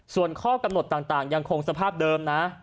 ส่วนข้อกำหนดต่างยังคงสภาพเดิมนะ